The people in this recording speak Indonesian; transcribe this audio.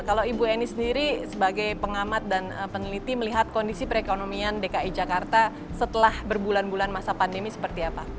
kalau ibu eni sendiri sebagai pengamat dan peneliti melihat kondisi perekonomian dki jakarta setelah berbulan bulan masa pandemi seperti apa